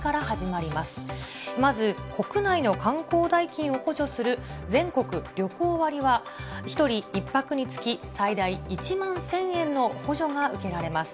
まず国内の観光代金を補助する全国旅行割は、１人１泊につき最大１万１０００円の補助が受けられます。